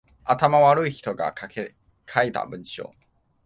頭悪い人が書いた文章